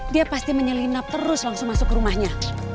dia pasti menyelinap terus langsung masuk ke rumahnya